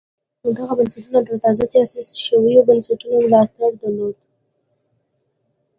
دغه بنسټونه د تازه تاسیس شویو بنسټونو ملاتړ درلود